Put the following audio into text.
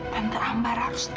tante ambar harus tau